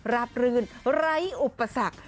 รื่นไร้อุปสรรค